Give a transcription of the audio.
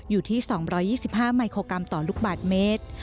อยู่ที่๒๒๕มิโครกรัมต่อลูกบาทเมตร